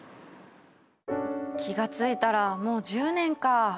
気が付いたらもう１０年か。